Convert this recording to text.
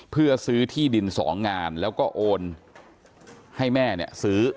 เพื่อซื้อที่ดิน๒งานแล้วก็โอนให้แม่เนี่ยซื้อ